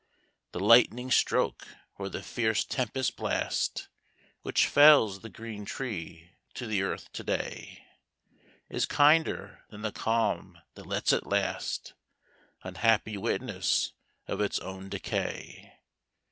The lightning's stroke or the fierce tempest blast Which fells the green tree to the earth to day Is kinder than the calm that lets it last, Unhappy witness of its own decay.